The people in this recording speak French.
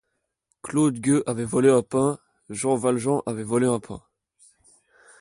Claude Gueux avait volé un pain; Jean Valjean avait volé un pain.